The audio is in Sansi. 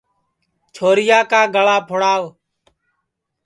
چھورِیا کا گݪا پُھڑاو